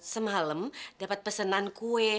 semalam dapat pesenan kue